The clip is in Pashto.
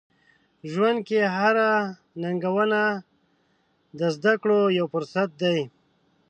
ژوند کې هره ننګونه د زده کړو یو فرصت دی.